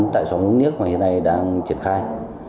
tại xóm nước mà hiện nay đang triển khai